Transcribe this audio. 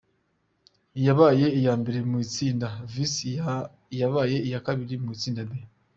Iyabaye iya mbere mu itsinda A Vs Iya baye iya kabiri mu itsinda B.